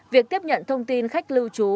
việc tiếp nhận thông tin khách lưu trú